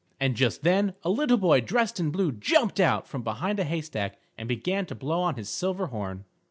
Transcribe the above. And just then a little boy dressed in blue jumped out from behind a haystack and began to blow on his silver horn.